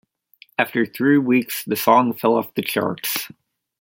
After three weeks, the song fell off the charts.